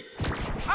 あ！